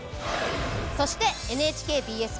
そしてＮＨＫＢＳ